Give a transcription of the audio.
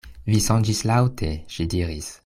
Vi sonĝis laŭte, ŝi diris.